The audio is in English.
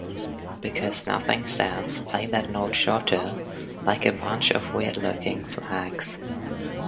Because nothing says "play that note shorter" like a bunch of weird-looking flags.